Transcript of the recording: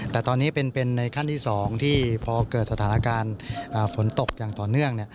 แต่ตอนนี้เป็นในขั้นที่๒ที่พอเกิดสถานการณ์ฝนตกอย่างต่อเนื่อง